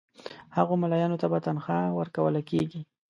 هغو مُلایانو ته به تنخوا ورکوله کیږي.